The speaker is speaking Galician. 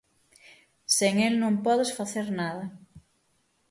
Sen el non podes facer nada.